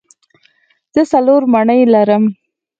زه څلور مڼې لرم.